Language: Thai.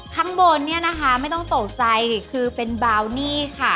ข้างบนเนี่ยนะคะไม่ต้องตกใจคือเป็นบาวนี่ค่ะ